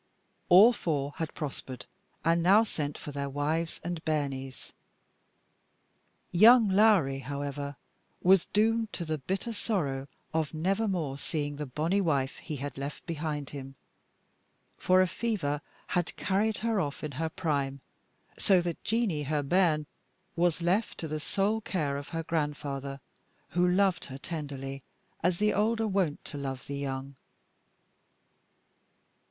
All four had prospered, and now sent for their wives and bairnies. Young Lowrie, however, was doomed to the bitter sorrow of never more seeing the bonny wife he had left behind him, for a fever had carried her off in her prime; so that Jeanie, her bairn, was left to the sole care of her grandfather, who loved her tenderly, as the old are wont to love the young.